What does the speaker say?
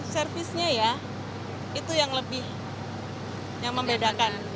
servisnya ya itu yang lebih yang membedakan